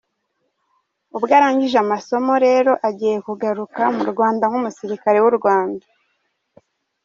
Ubwo arangije amasomo rero agiye kugaruka mu Rwanda nk’umusirikare w’u Rwanda.